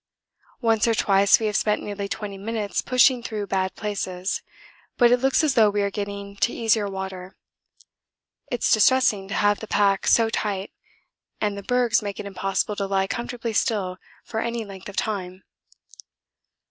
Once or twice we have spent nearly twenty minutes pushing through bad places, but it looks as though we are getting to easier water. It's distressing to have the pack so tight, and the bergs make it impossible to lie comfortably still for any length of time.